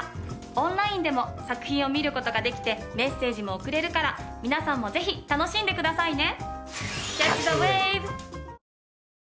オンラインでも作品を見る事ができてメッセージも送れるから皆さんもぜひ楽しんでくださいね。